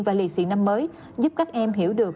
và lì xị năm mới giúp các em hiểu được